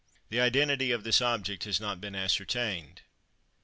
The identity of this object has not been ascertained.